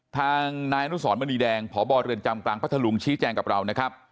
ทางนายอนุสรมณีแดงพบเรือนจำกลางพัทธลุงชี้แจงกับเรานะครับ